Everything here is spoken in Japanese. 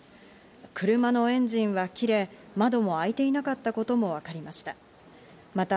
車のエンジンは切れ、窓も開いていなかったこともわかりました。